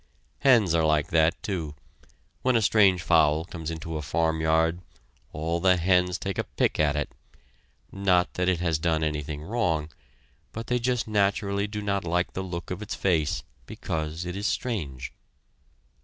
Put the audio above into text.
Hens are like that, too! When a strange fowl comes into a farmyard all the hens take a pick at it not that it has done anything wrong, but they just naturally do not like the look of its face because it is strange.